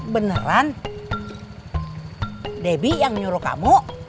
beneran debbie yang nyuruh kamu